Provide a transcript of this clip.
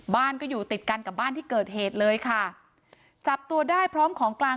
บ้านก็อยู่ติดกันกับบ้านที่เกิดเหตุเลยค่ะจับตัวได้พร้อมของกลาง